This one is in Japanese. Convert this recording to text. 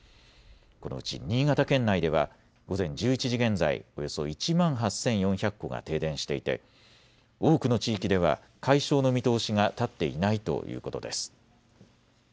このうち新潟県内では午前１１時現在、およそ１万８４００戸が停電していて多くの地域では解消の見通しが立っていないということです。